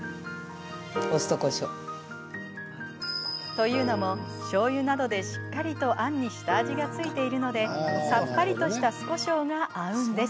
というのもしょうゆなどでしっかりとあんに下味が付いているのでさっぱりとした酢こしょうが合うんです。